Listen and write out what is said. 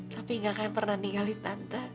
tapi gak akan pernah ninggalin tante